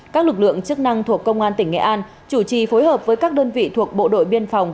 các lực lượng chức năng thuộc công an tỉnh nghệ an chủ trì phối hợp với các đơn vị thuộc bộ đội biên phòng